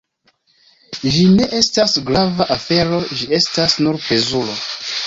Ĝi ne estas grava afero, ĝi estas nur plezuro.